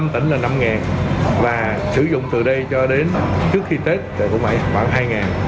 năm tỉnh là năm và sử dụng từ đây cho đến trước khi tết thì cũng phải khoảng hai